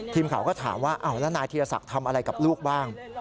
ทีมข่าวก็ถามว่าแล้วนายธีรศักดิ์ทำอะไรกับลูกบ้าง